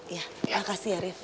ya makasih ya arief